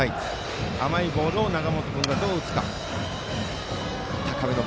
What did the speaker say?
甘いボールを永本君がどう打つか。